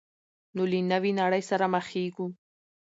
نو له نوې نړۍ سره مخېږو.